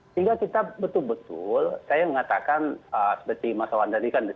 sehingga kita betul betul saya mengatakan seperti mas wawanda dikatakan